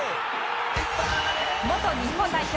元日本代表